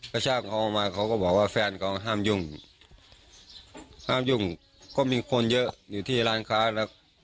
กระชากเขาออกมาเขาก็บอกว่าแฟนเขาห้ามยุ่งห้ามยุ่งก็มีคนเยอะอยู่ที่ร้านค้าแล้ว